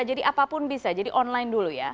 apapun bisa jadi online dulu ya